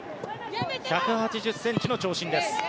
１８０ｃｍの長身です。